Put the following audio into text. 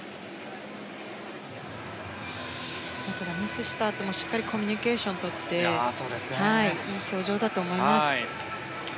ただ、ミスしたあともしっかりコミュニケーション取っていい表情だと思います。